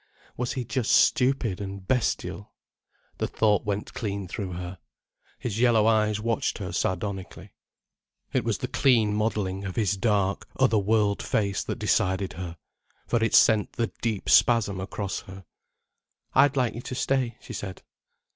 Was he just stupid and bestial? The thought went clean through her. His yellow eyes watched her sardonically. It was the clean modelling of his dark, other world face that decided her—for it sent the deep spasm across her. "I'd like you to stay," she said.